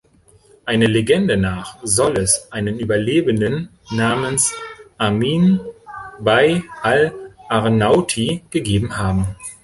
Einer Legende nach solle es einen Überlebenden namens Amin Bey al-Arnauti gegeben haben.